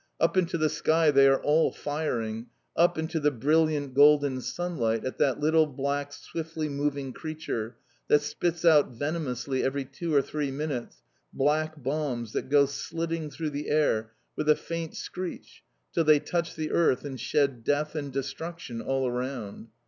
Up into the sky they are all firing, up into the brilliant golden sunlight at that little black, swiftly moving creature, that spits out venomously every two or three minutes black bombs that go slitting through the air with a faint screech till they touch the earth and shed death and destruction all around.